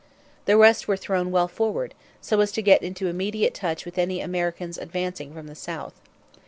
The rest were thrown well forward, so as to get into immediate touch with any Americans advancing from the south.